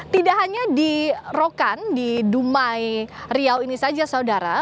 tidak hanya di rokan di dumai riau ini saja saudara